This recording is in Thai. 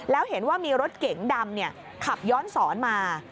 แล้วเห็นว่ามีรถเก๋งดำขับย้อนสอนมา